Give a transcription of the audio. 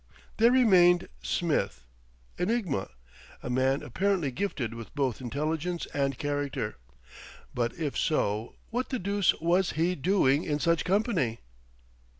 There remained "Smith," enigma; a man apparently gifted with both intelligence and character.... But if so, what the deuce was he doing in such company?